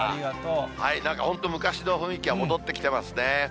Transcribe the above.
なんか、本当、昔の雰囲気が戻ってきてますね。